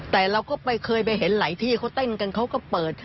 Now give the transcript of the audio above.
แต่เราก็เคยไปเห็นหลายที่เขาเต้นกันเขาก็เปิด